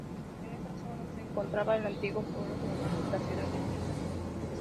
En esta zona se encontraba el antiguo foro romano de la ciudad de Pisa.